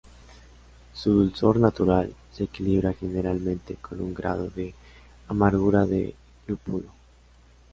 Su dulzor natural se equilibra generalmente con un grado de amargura de lúpulo.